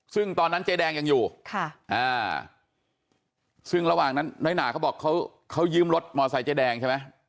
ซึ่งตอนนั้นเจ๊แดงยังอยู่ซึ่งระหว่างนั้นน้อยหนาเขาบอกเขายืมรถมอเซแดงใช่ไหม